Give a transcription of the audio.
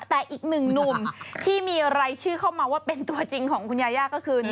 แต่อีกหนึ่งหนุ่มที่มีรายชื่อเข้ามาว่าเป็นตัวจริงของคุณยาย่าก็คือ